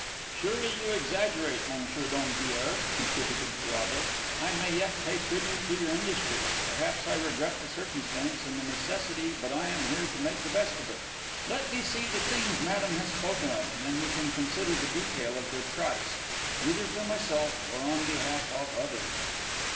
"Surely you exaggerate, Monsieur Dompierre," contributed Carrados. "I may yet pay tribute to your industry. Perhaps I regret the circumstance and the necessity but I am here to make the best of it. Let me see the things Madame has spoken of, and then we can consider the detail of their price, either for myself or on behalf of others."